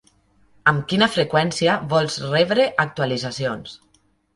Amb quina freqüència vols rebre actualitzacions.